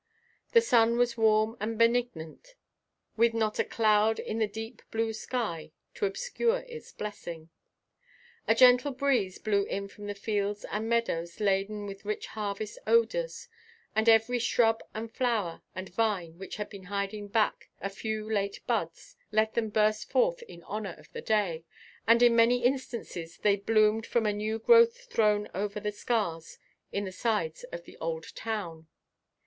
The sun was warm and benignant, with not a cloud in the deep blue sky to obscure its blessing. A gentle breeze blew in from the fields and meadows laden with rich harvest odors and every shrub and flower and vine which had been hiding back a few late buds let them burst forth in honor of the day, and in many instances they bloomed from a new growth thrown over the scars in the sides of the old town.